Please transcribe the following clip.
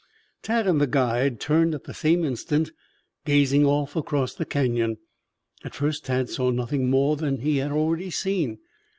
Tad and the guide turned at the same instant gazing off across the Canyon. At first Tad saw nothing more than he had already seen.